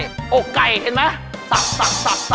อกไก่เห็นไหม